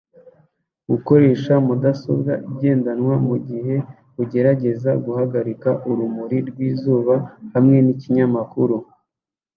Gukoresha mudasobwa igendanwa mugihe ugerageza guhagarika urumuri rwizuba hamwe nikinyamakuru